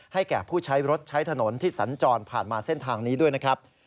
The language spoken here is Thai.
แก่ผู้ใช้รถใช้ถนนที่สัญจรผ่านมาเส้นทางนี้ด้วยนะครับ